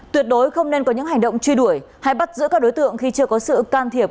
tuyệt đối không nên có những hành động truy đuổi hay bắt giữ các đối tượng khi chưa có sự can thiệp